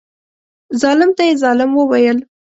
ظالم ته یې ظالم وویل.